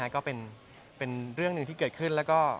ก็เป็นเรื่องหนึ่งที่เกิดขึ้น